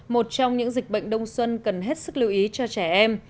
một trong những dịch bệnh đông xuân cần hết sức lưu ý cho trẻ em